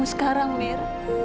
kamu sekarang mir